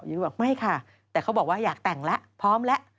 บอกไม่ค่ะแต่เขาบอกว่าอยากแต่งแล้วพร้อมแล้ว